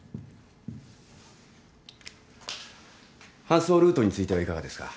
搬送ルートについてはいかがですか？